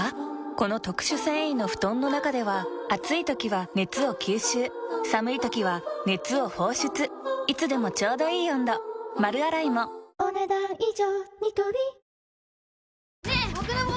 この特殊繊維の布団の中では暑い時は熱を吸収寒い時は熱を放出いつでもちょうどいい温度丸洗いもお、ねだん以上。